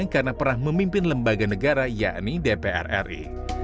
karena pernah memimpin lembaga negara yakni dpr ri